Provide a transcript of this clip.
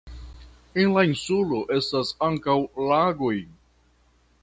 En la insulo estas ankaŭ lagoj.